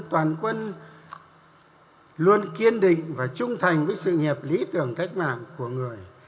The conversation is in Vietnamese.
toàn quân luôn kiên định và trung thành với sự nghiệp lý tưởng cách mạng của người